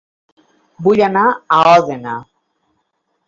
Vull anar a Òdena